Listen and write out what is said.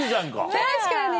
確かに！